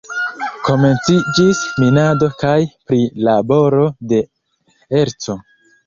Komenciĝis minado kaj prilaboro de erco.